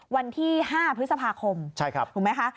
วันที่๕พฤษภาคมถูกไหมคะ